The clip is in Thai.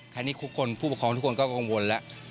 แค่นี้ผู้ประคองทุกคนก็กังวลแล้ว